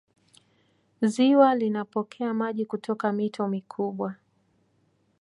ziwa linapokea maji kutoka mito mikubwa